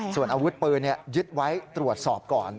ส่วนอาวุธปืนยึดไว้ตรวจสอบก่อน